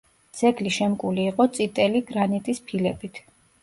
ძეგლი შემკული იყო წიტელი გრანიტის ფილებით.